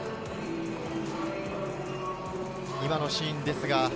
今のシーンです。